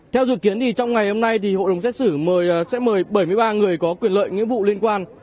theo dự kiến trong ngày hôm nay hội đồng xét xử sẽ mời bảy mươi ba người có quyền lợi nghĩa vụ liên quan